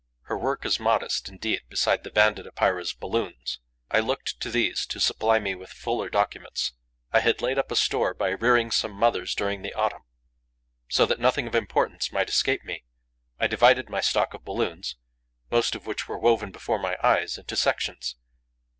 Her work is modest indeed beside the Banded Epeira's balloons. I looked to these to supply me with fuller documents. I had laid up a store by rearing some mothers during the autumn. So that nothing of importance might escape me, I divided my stock of balloons, most of which were woven before my eyes, into two sections.